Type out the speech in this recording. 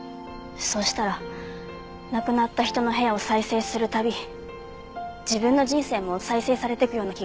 そしたら亡くなった人の部屋を再生する度自分の人生も再生されてくような気がして。